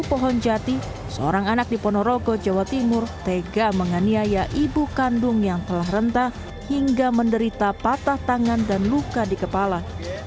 pohon jati seorang anak di ponorogo jawa timur tega menganiaya ibu kandung yang telah rentah hingga menderita patah tangan dan luka di kepala